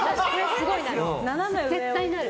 すごいなる。